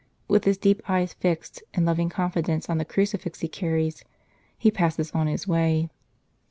With his deep eyes fixed in loving confidence on the crucifix he carries, he passes on his way.